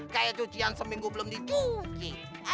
kayak cucian seminggu belum dicuki